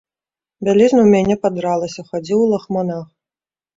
Бялізна ў мяне падралася, хадзіў у лахманах.